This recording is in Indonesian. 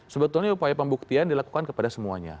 sebetulnya upaya pembuktian dilakukan kepada semuanya